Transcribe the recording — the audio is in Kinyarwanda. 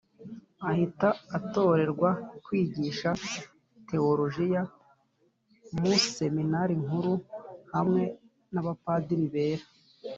ahita atorerwa kwigisha teolojiya mu seminari nkuru hamwe n'Abapadiri bera.